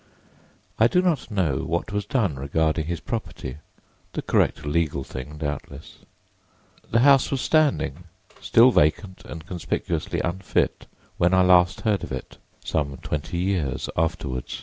I do not know what was done regarding his property—the correct legal thing, doubtless. The house was standing, still vacant and conspicuously unfit, when I last heard of it, some twenty years afterward.